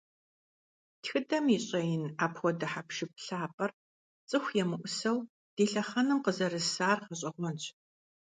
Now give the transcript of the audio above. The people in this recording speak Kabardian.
Тхыдэм и щIэин апхуэдэ хьэпшып лъапIэр, цIыху емыIусэу, ди лъэхъэнэм къызэрысар гъэщIэгъуэнщ.